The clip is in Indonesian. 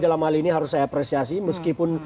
dalam hal ini harus saya apresiasi meskipun